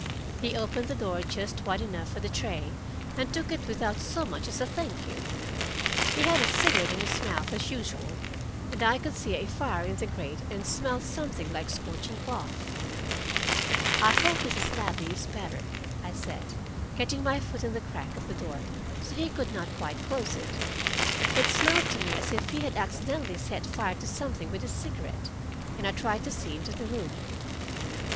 He opened the door just wide enough for the tray, and took it without so much as a "thank you." He had a cigarette in his mouth as usual, and I could see a fire in the grate and smell something like scorching cloth. "I hope Mrs. Ladley is better," I said, getting my foot in the crack of the door, so he could not quite close it. It smelled to me as if he had accidentally set fire to something with his cigarette, and I tried to see into the room.